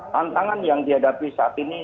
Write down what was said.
tantangan yang dihadapi saat ini